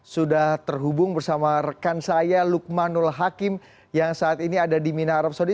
sudah terhubung bersama rekan saya lukmanul hakim yang saat ini ada di mina arab saudi